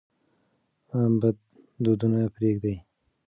بد دودونه پرېږدئ.